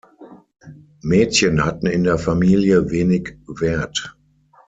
Mädchen hatten in der Familie wenig Wert.